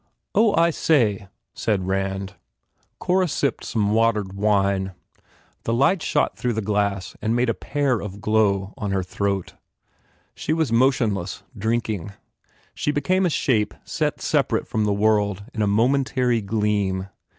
"Oh, I say," said Rand. Cora sipped some watered wine. The light shot through the glass and made a pear of glow on her thoat. She was motionless, drinking. She became a shape set separate from the world in a momentary gleam.